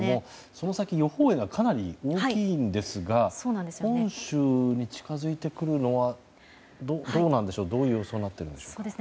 その先、予報円がかなり大きいんですが本州に近づいてくるのはどういう予想なのでしょうか。